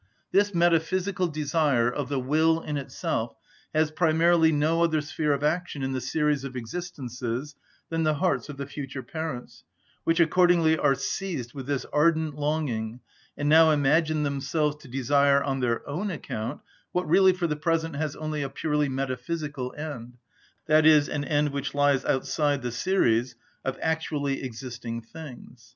This metaphysical desire of the will in itself has primarily no other sphere of action in the series of existences than the hearts of the future parents, which accordingly are seized with this ardent longing, and now imagine themselves to desire on their own account what really for the present has only a purely metaphysical end, i.e., an end which lies outside the series of actually existing things.